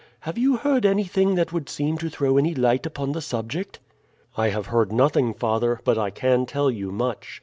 Have you heard anything that would seem to throw any light upon the subject?" "I have heard nothing, father; but I can tell you much.